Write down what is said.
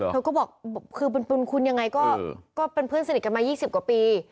เธอก็บอกคือบุญคุณยังไงก็เป็นเพื่อนสนิทกันมา๒๐กว่าปี